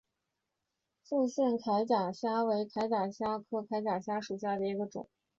复线铠甲虾为铠甲虾科铠甲虾属下的一个种。